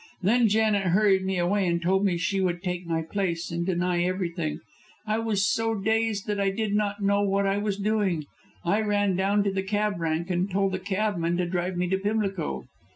Then Janet hurried me away, and told me she would take my place and deny everything. I was so dazed that I did not know what I was doing. I ran down to the cab rank and told a cabman to drive me to Pimlico.